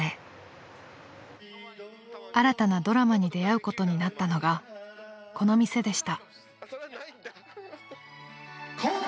［新たなドラマに出合うことになったのがこの店でした］